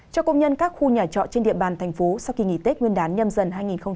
cho công nhân các khu nhà trọ trên địa bàn thành phố sau kỳ nghỉ tết nguyên đán nhâm dần hai nghìn hai mươi bốn